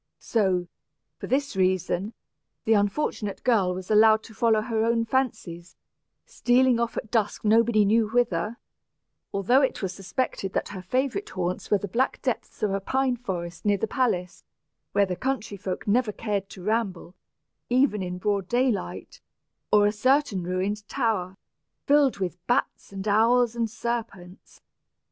So, for this reason, the unfortunate girl was allowed to follow her own fancies, stealing off at dusk nobody knew whither, although it was suspected that her favorite haunts were the black depths of a pine forest near the palace where the country folk never cared to ramble, even in broad daylight or a certain ruined tower, filled with bats and owls and serpents.